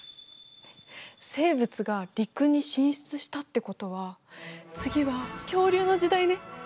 生物が陸に進出したってことは次は恐竜の時代ね。